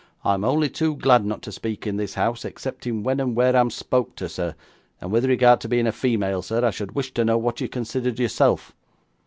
'I'm only too glad not to speak in this house, excepting when and where I'm spoke to, sir; and with regard to being a female, sir, I should wish to know what you considered yourself?